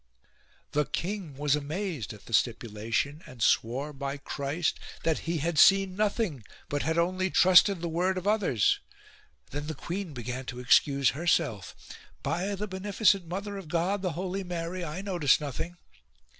The king was amazed at the stipulation, and swore, by Christ, that he had seen nothing, but had only trusted the word of others. Then the queen began to excuse herself: "By the beneficent Mother of God, the Holy Mary, I noticed nothing."